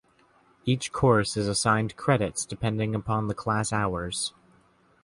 Each course is assigned credits depending upon the class hours.